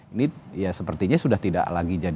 ini ya sepertinya sudah tidak lagi jadi